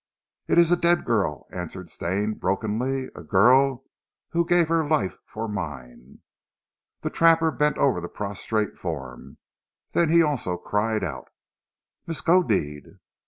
"It is a dead girl," answered Stane, brokenly "a girl who gave her life for mine." The trapper bent over the prostrate form, then he also cried out. "Miskodeed!"